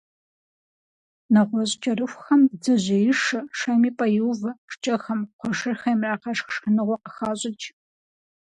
НэгъуэщӀ кӀэрыхухэм «бдзэжьеишэ», шэм и пӀэ иувэ, шкӀэхэм, кхъуэшырхэм ирагъэшх шхыныгъуэ къыхащӀыкӀ.